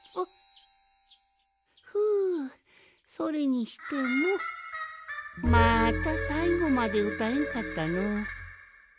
ふうそれにしてもまたさいごまでうたえんかったのう。